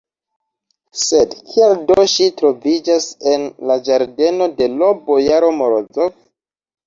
Sed kial do ŝi troviĝas en la ĝardeno de l' bojaro Morozov?